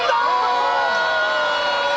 お！